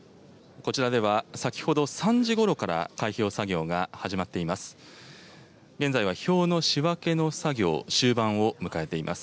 こちらでは、先ほど３時ごろから、開票作業が始まっています。